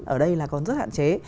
ở đây là còn rất hạn chế